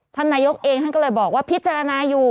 ท่านนายกเองท่านก็เลยบอกว่าพิจารณาอยู่